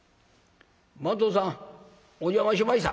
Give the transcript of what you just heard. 「番頭さんお邪魔しました」。